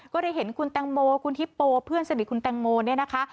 ก็ได้เห็นคุณแตงโมคุณฮิปโปเพื่อนสนิทคุณแตงโมเนี่ยนะคะ